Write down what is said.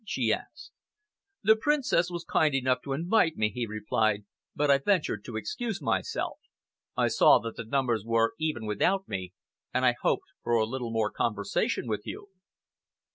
she asked. "The Princess was kind enough to invite me," he replied, "but I ventured to excuse myself. I saw that the numbers were even without me, and I hoped for a little more conversation with you."